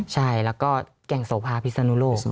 ใช่แล้วก็แก่งโสภาพิศนุโลก